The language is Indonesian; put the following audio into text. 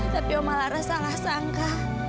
tapi om malaras salah sangka